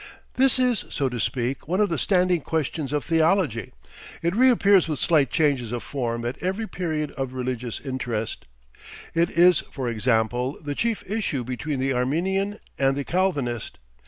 This is, so to speak, one of the standing questions of theology; it reappears with slight changes of form at every period of religious interest, it is for example the chief issue between the Arminian and the Calvinist.